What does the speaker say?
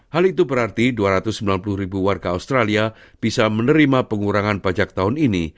hal itu berarti dua ratus sembilan puluh ribu warga australia bisa menerima pengurangan pajak tahun ini